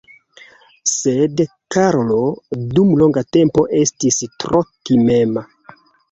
Sed Karlo dum longa tempo estis tro timema.